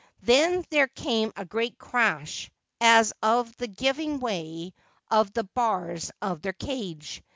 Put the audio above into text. Then there came a great crash as of the giving way of the bars of their cage.